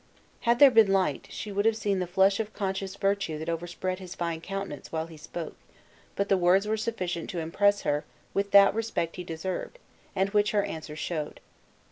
Had there been light, she would have seen the flush of conscious virtue that overspread his fine countenance while he spoke; but the words were sufficient to impress her with that respect he deserved, and which her answer showed.